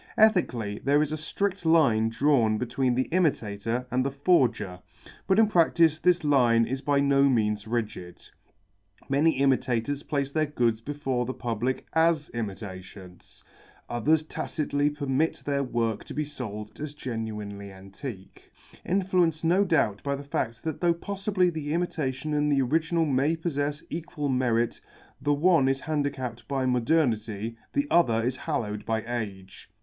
Ethically, there is a strict line drawn between the imitator and the forger, but in practice this line is by no means rigid. Many imitators place their goods before the public as imitations; others tacitly permit their work to be sold as genuinely antique, influenced no doubt by the fact that though possibly the imitation and the original may possess equal merit, the one is handicapped by modernity, the other is hallowed by age.